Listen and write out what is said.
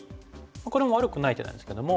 これも悪くない手なんですけども。